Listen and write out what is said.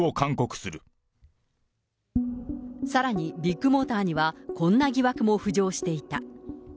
さらにビッグモーターにはこんな疑惑も浮上していた。